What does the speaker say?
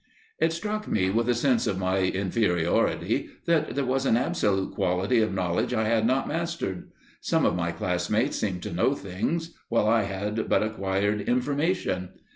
It struck me with a sense of my inferiority that there was an absolute quality of knowledge I had not mastered. Some of my classmates seemed to know things, while I had but acquired information.